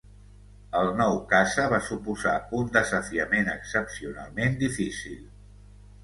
El nou caça va suposar un desafiament excepcionalment difícil.